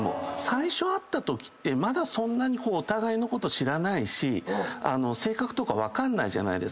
最初会ったときってまだそんなにお互いのこと知らないし性格とか分かんないじゃないですか。